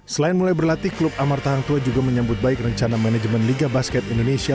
selain mulai berlatih klub amar tahan tua juga menyambut baik rencana manajemen liga basket indonesia